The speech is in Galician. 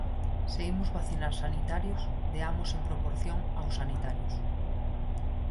Se imos vacinar sanitarios, deamos en proporción aos sanitarios.